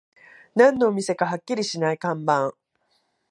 何のお店かはっきりしない看板